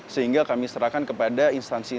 sehingga kami serahkan kepada instansi